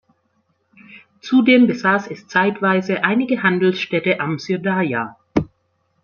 Zudem besaß es zeitweise einige Handelsstädte am Syrdarja.